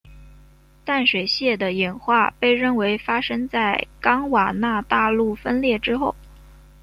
淡水蟹的演化被认为发生在冈瓦纳大陆分裂之后。